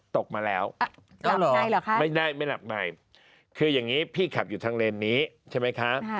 ตกมาแล้วไม่ได้ไม่หลับในคืออย่างนี้พี่ขับอยู่ทางเลนนี้ใช่ไหมคะ